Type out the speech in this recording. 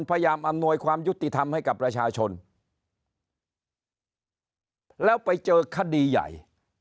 อำนวยความยุติธรรมให้กับประชาชนแล้วไปเจอคดีใหญ่